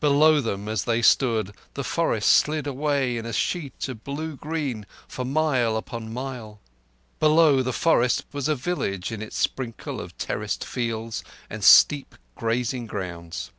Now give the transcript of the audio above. Below them, as they stood, the forest slid away in a sheet of blue green for mile upon mile; below the forest was a village in its sprinkle of terraced fields and steep grazing grounds.